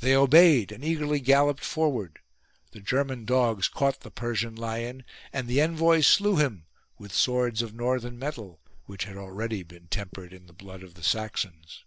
They obeyed and eagerly galloped forward ; the German dogs caught the Persian lion, and the envoys slew him with swords of northern metal, which had already been tempered in the blood of the Saxons.